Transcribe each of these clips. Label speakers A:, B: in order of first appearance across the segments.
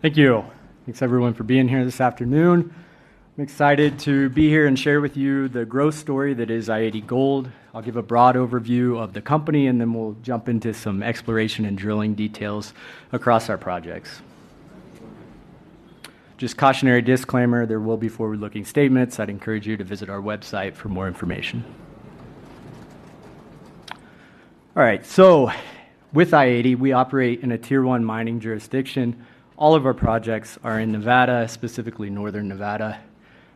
A: Hey Jill, thanks everyone for being here this afternoon. I'm excited to be here and share with you the growth story that is i-80 Gold. I'll give a broad overview of the company, and then we'll jump into some exploration and drilling details across our projects. Just a cautionary disclaimer: there will be forward-looking statements. I'd encourage you to visit our website for more information. All right, with i-80, we operate in a Tier 1 mining jurisdiction. All of our projects are in Nevada, specifically Northern Nevada.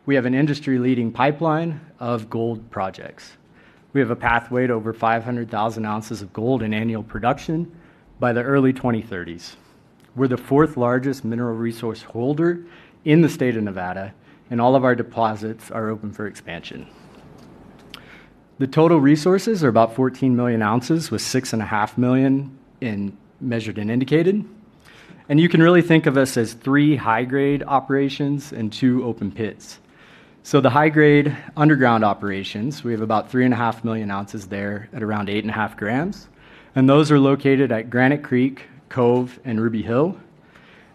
A: We have an industry-leading pipeline of gold projects. We have a pathway to over 500,000 ounces of gold in annual production by the early 2030s. We're the fourth largest mineral resource holder in the state of Nevada, and all of our deposits are open for expansion. The total resources are about 14 million ounces, with 6.5 million in measured and indicated. You can really think of us as three high-grade operations and two open pits. The high-grade underground operations, we have about 3.5 million ounces there at around 8.5 grams. Those are located at Granite Creek, Cove, and Ruby Hill.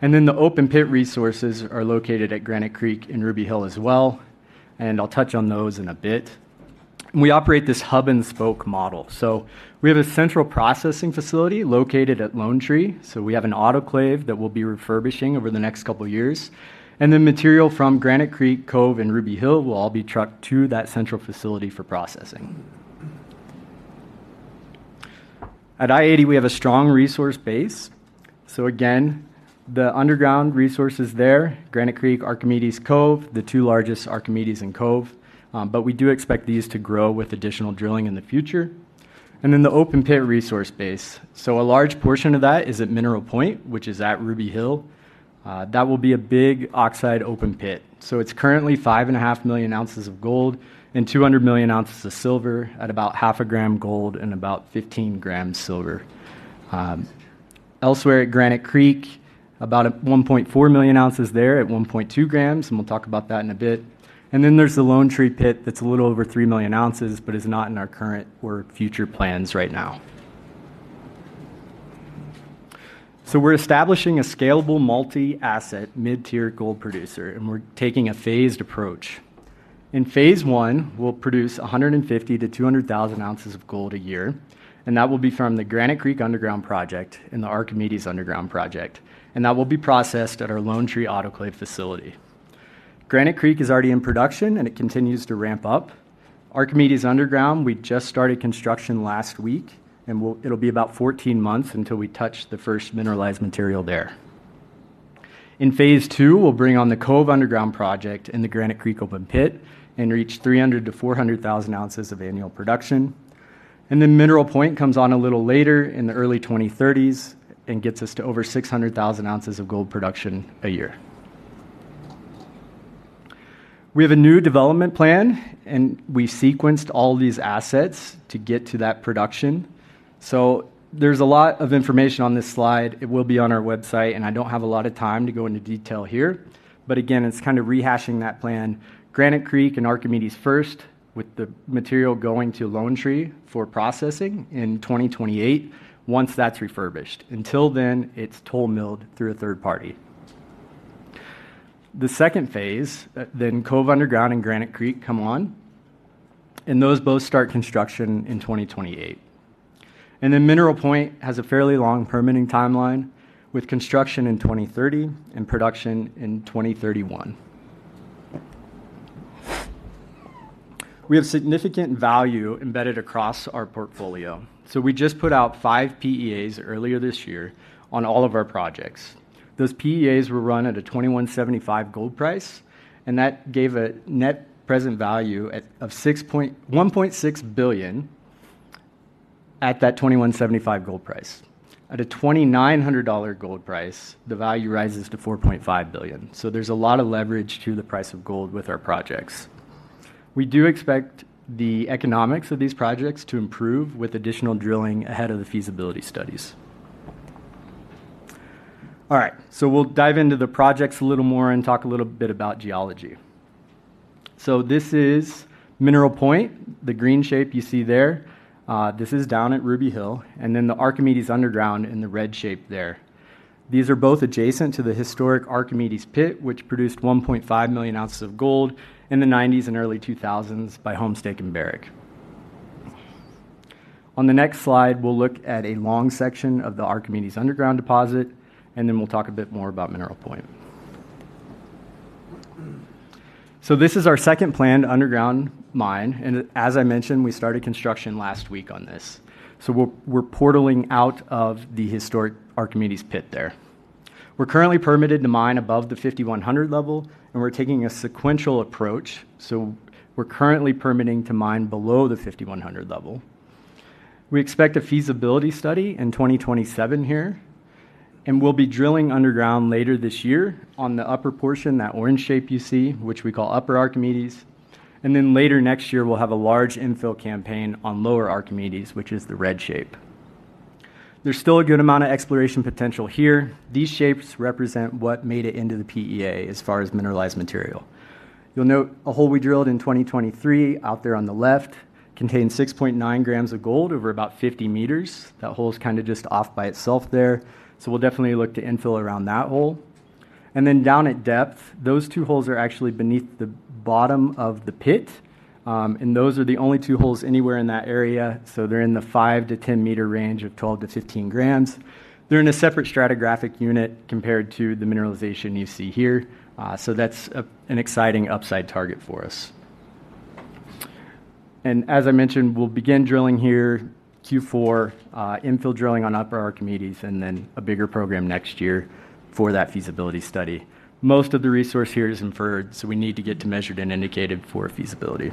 A: The open pit resources are located at Granite Creek and Ruby Hill as well. I'll touch on those in a bit. We operate this hub and spoke model. We have a central processing facility located at Lone Tree. We have an autoclave that we'll be refurbishing over the next couple of years. Material from Granite Creek, Cove, and Ruby Hill will all be trucked to that central facility for processing. At i-80, we have a strong resource base. Again, the underground resources there, Granite Creek, Archimedes, Cove, the two largest Archimedes and Cove. We do expect these to grow with additional drilling in the future. The open pit resource base, a large portion of that is at Mineral Point, which is at Ruby Hill. That will be a big oxide open pit. It's currently 5.5 million ounces of gold and 200 million ounces of silver at about 0.5 gram gold and about 15 grams silver. Elsewhere at Granite Creek, about 1.4 million ounces there at 1.2 grams, and we'll talk about that in a bit. There's the Lone Tree Pit that's a little over 3 million ounces, but is not in our current or future plans right now. We're establishing a scalable multi-asset mid-tier gold producer, and we're taking a phased approach. In phase one, we'll produce 150,000 to 200,000 ounces of gold a year, and that will be from the Granite Creek Underground Project and the Archimedes Underground Project. That will be processed at our Lone Tree autoclave facility. Granite Creek is already in production, and it continues to ramp up. Archimedes Underground, we just started construction last week, and it'll be about 14 months until we touch the first mineralized material there. In phase two, we'll bring on the Cove Underground Project and the Granite Creek open pit and reach 300,000 to 400,000 ounces of annual production. Mineral Point comes on a little later in the early 2030s and gets us to over 600,000 ounces of gold production a year. We have a new development plan, and we've sequenced all these assets to get to that production. There's a lot of information on this slide. It will be on our website, and I don't have a lot of time to go into detail here. Again, it's kind of rehashing that plan: Granite Creek and Archimedes first, with the material going to Lone Tree for processing in 2028, once that's refurbished. Until then, it's toll milled through a third party. The second phase, then Cove Underground and Granite Creek come on, and those both start construction in 2028. Mineral Point has a fairly long permitting timeline with construction in 2030 and production in 2031. We have significant value embedded across our portfolio. We just put out five PEAs earlier this year on all of our projects. Those PEAs were run at a $2,175 gold price, and that gave a net present value of $1.6 billion at that $2,175 gold price. At a $2,900 gold price, the value rises to $4.5 billion. There's a lot of leverage to the price of gold with our projects. We do expect the economics of these projects to improve with additional drilling ahead of the feasibility studies. All right, we'll dive into the projects a little more and talk a little bit about geology. This is Mineral Point, the green shape you see there. This is down at Ruby Hill, and then the Archimedes Underground in the red shape there. These are both adjacent to the historic Archimedes Pit, which produced 1.5 million ounces of gold in the 1990s and early 2000s by Homestake and Barrick. On the next slide, we'll look at a long section of the Archimedes Underground deposit, and then we'll talk a bit more about Mineral Point. This is our second planned underground mine, and as I mentioned, we started construction last week on this. We're portaling out of the historic Archimedes Pit there. We're currently permitted to mine above the 5,100 level, and we're taking a sequential approach. We're currently permitting to mine below the 5,100 level. We expect a feasibility study in 2027 here, and we'll be drilling underground later this year on the upper portion, that orange shape you see, which we call Upper Archimedes. Later next year, we'll have a large infill campaign on Lower Archimedes, which is the red shape. There's still a good amount of exploration potential here. These shapes represent what made it into the Preliminary Economic Assessment as far as mineralized material. You'll note a hole we drilled in 2023 out there on the left contains 6.9 grams of gold over about 50 meters. That hole is kind of just off by itself there. We'll definitely look to infill around that hole. Down at depth, those two holes are actually beneath the bottom of the pit, and those are the only two holes anywhere in that area. They're in the 5 to 10 meter range of 12 to 15 grams. They're in a separate stratigraphic unit compared to the mineralization you see here. That's an exciting upside target for us. As I mentioned, we'll begin drilling here Q4, infill drilling on Upper Archimedes, and then a bigger program next year for that feasibility study. Most of the resource here is inferred, so we need to get to measured and indicated for feasibility.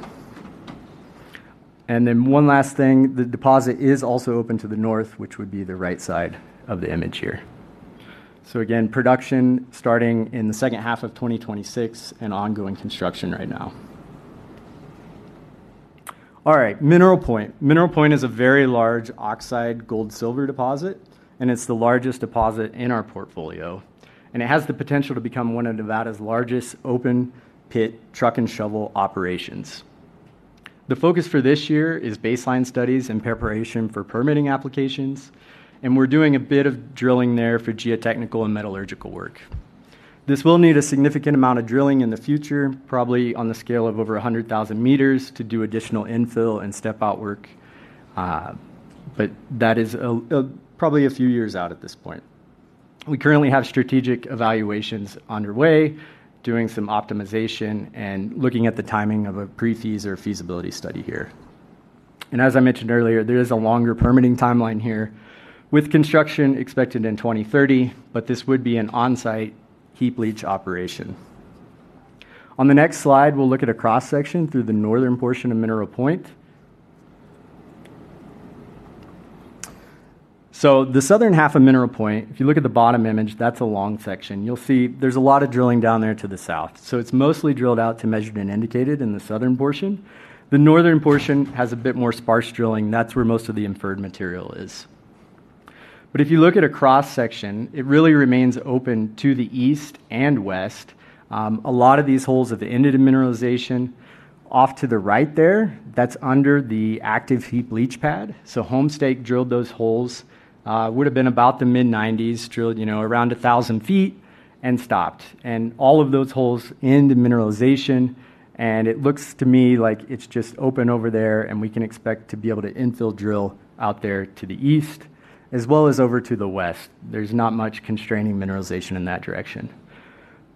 A: One last thing, the deposit is also open to the north, which would be the right side of the image here. Production is starting in the second half of 2026 and ongoing construction right now. All right, Mineral Point. Mineral Point is a very large oxide gold-silver deposit, and it's the largest deposit in our portfolio. It has the potential to become one of Nevada's largest open pit truck and shovel operations. The focus for this year is baseline studies in preparation for permitting applications, and we're doing a bit of drilling there for geotechnical and metallurgical work. This will need a significant amount of drilling in the future, probably on the scale of over 100,000 meters to do additional infill and step-out work. That is probably a few years out at this point. We currently have strategic evaluations underway, doing some optimization and looking at the timing of a pre-feas or feasibility study here. As I mentioned earlier, there is a longer permitting timeline here with construction expected in 2030, but this would be an on-site heap leach operation. On the next slide, we'll look at a cross-section through the northern portion of Mineral Point. The southern half of Mineral Point, if you look at the bottom image, that's a long section. You'll see there's a lot of drilling down there to the south. It's mostly drilled out to measured and indicated in the southern portion. The northern portion has a bit more sparse drilling. That's where most of the inferred material is. If you look at a cross-section, it really remains open to the east and west. A lot of these holes have ended in mineralization. Off to the right there, that's under the active heap leach pad. Homestake drilled those holes. It would have been about the mid-1990s, drilled around 1,000 feet and stopped. All of those holes end in mineralization, and it looks to me like it's just open over there, and we can expect to be able to infill drill out there to the east as well as over to the west. There's not much constraining mineralization in that direction.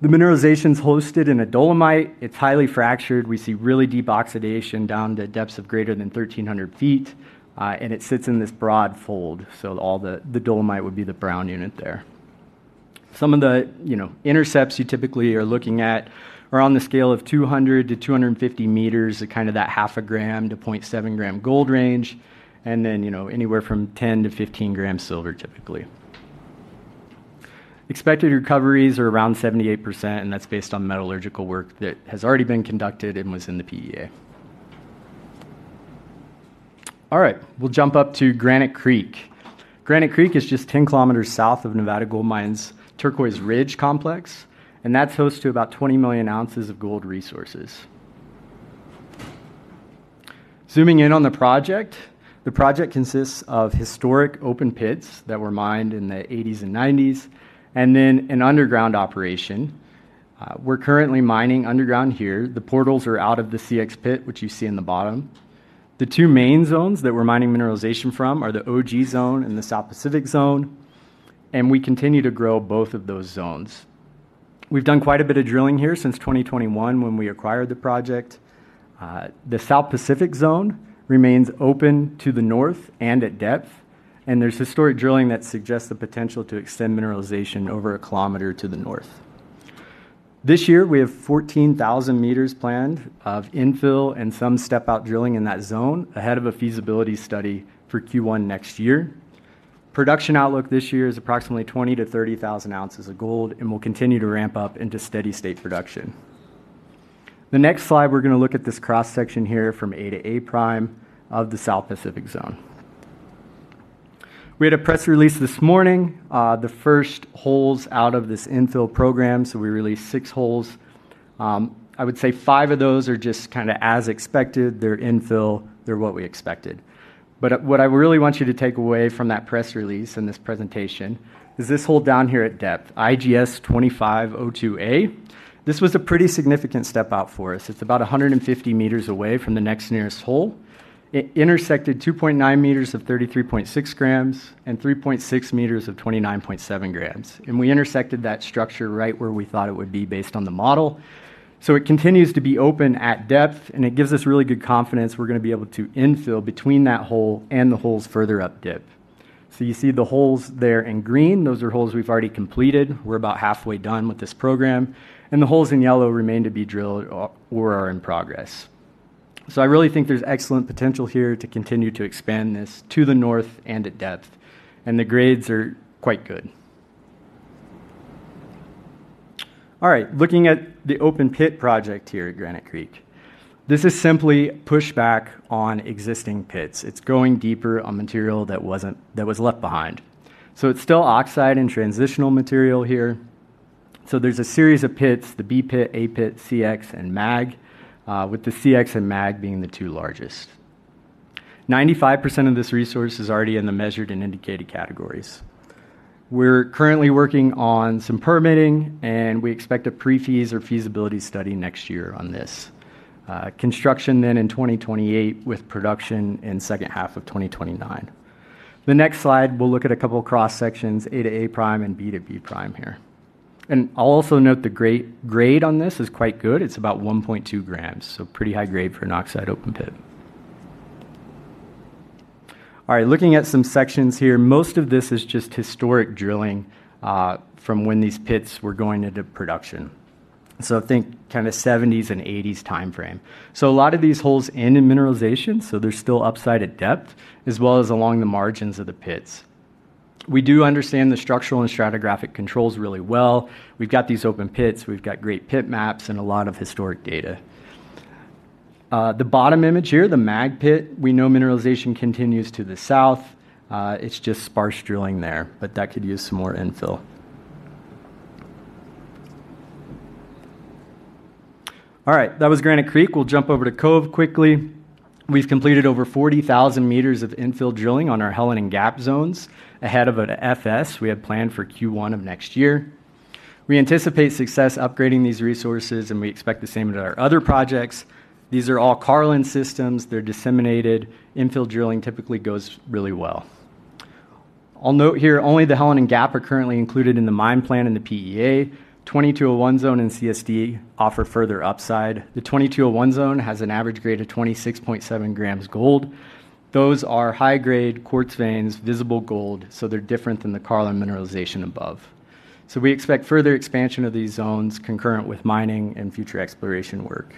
A: The mineralization is hosted in a dolomite. It's highly fractured. We see really deep oxidation down to depths of greater than 1,300 feet, and it sits in this broad fold. All the dolomite would be the brown unit there. Some of the intercepts you typically are looking at are on the scale of 200 to 250 meters, kind of that half a gram to 0.7 gram gold range, and then anywhere from 10 to 15 gram silver typically. Expected recoveries are around 78%, and that's based on metallurgical work that has already been conducted and was in the Preliminary Economic Assessment (PEA). All right, we'll jump up to Granite Creek. Granite Creek is just 10 kilometers south of Nevada Gold Mines' Turquoise Ridge Complex, and that's host to about 20 million ounces of gold resources. Zooming in on the project, the project consists of historic open pits that were mined in the 1980s and 1990s, and then an underground operation. We're currently mining underground here. The portals are out of the CX pit, which you see in the bottom. The two main zones that we're mining mineralization from are the OG zone and the South Pacific zone, and we continue to grow both of those zones. We've done quite a bit of drilling here since 2021 when we acquired the project. The South Pacific zone remains open to the north and at depth, and there's historic drilling that suggests the potential to extend mineralization over a kilometer to the north. This year, we have 14,000 meters planned of infill and some step-out drilling in that zone ahead of a feasibility study for Q1 next year. Production outlook this year is approximately 20,000 to 30,000 ounces of gold, and we'll continue to ramp up into steady state production. The next slide, we're going to look at this cross-section here from A to A' prime of the South Pacific zone. We had a press release this morning, the first holes out of this infill program. We released six holes. I would say five of those are just kind of as expected. They're infill. They're what we expected. What I really want you to take away from that press release and this presentation is this hole down here at depth, IGS 2502A. This was a pretty significant step-out for us. It's about 150 meters away from the next nearest hole. It intersected 2.9 meters of 33.6 grams and 3.6 meters of 29.7 grams. We intersected that structure right where we thought it would be based on the model. It continues to be open at depth, and it gives us really good confidence we're going to be able to infill between that hole and the holes further up dip. You see the holes there in green. Those are holes we've already completed. We're about halfway done with this program. The holes in yellow remain to be drilled or are in progress. I really think there's excellent potential here to continue to expand this to the north and at depth. The grades are quite good. All right, looking at the open pit project here at Granite Creek. This is simply pushback on existing pits. It's going deeper on material that was left behind. It's still oxide and transitional material here. There's a series of pits, the B pit, A pit, CX, and MAG, with the CX and MAG being the two largest. 95% of this resource is already in the measured and indicated categories. We're currently working on some permitting, and we expect a pre-feas or feasibility study next year on this. Construction then in 2028 with production in the second half of 2029. The next slide, we'll look at a couple of cross-sections, A to A' prime and B to B' prime here. I'll also note the grade on this is quite good. It's about 1.2 grams, so pretty high grade for an oxide open pit. All right, looking at some sections here, most of this is just historic drilling from when these pits were going into production. I think kind of 1970s and 1980s timeframe. A lot of these holes end in mineralization, so there's still upside at depth as well as along the margins of the pits. We do understand the structural and stratigraphic controls really well. We've got these open pits. We've got great pit maps and a lot of historic data. The bottom image here, the MAG pit, we know mineralization continues to the south. It's just sparse drilling there, but that could use some more infill. All right, that was Granite Creek. We'll jump over to Cove quickly. We've completed over 40,000 meters of infill drilling on our Helen and Gap zones ahead of an FS we had planned for Q1 of next year. We anticipate success upgrading these resources, and we expect the same at our other projects. These are all Carlin-type systems. They're disseminated. Infill drilling typically goes really well. I'll note here only the Helen and Gap are currently included in the mine plan in the PEA. 2201 zone and CSD offer further upside. The 2201 zone has an average grade of 26.7 grams gold. Those are high-grade quartz vein systems, visible gold, so they're different than the Carlin-type mineralization above. We expect further expansion of these zones concurrent with mining and future exploration work.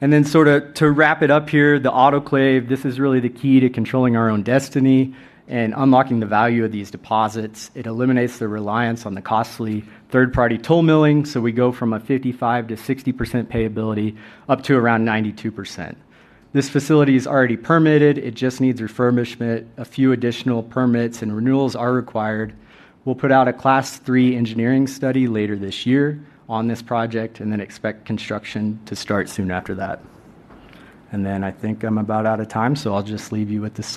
A: To wrap it up here, the autoclave, this is really the key to controlling our own destiny and unlocking the value of these deposits. It eliminates the reliance on the costly third-party toll milling. We go from a 55% to 60% payability up to around 92%. This facility is already permitted. It just needs refurbishment. A few additional permits and renewals are required. We'll put out a class three engineering study later this year on this project and expect construction to start soon after that. I think I'm about out of time, so I'll just leave you with this.